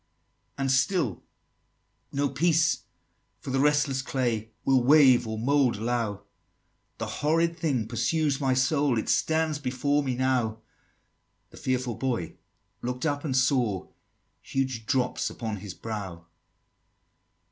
XXXV. "And still no peace for the restless clay Will wave or mould allow; The horrid thing pursues my soul, It stands before me now!" The fearful Boy look'd up, and saw Huge drops upon his brow.